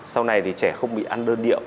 sau này thì trẻ không bị ăn đơn điệu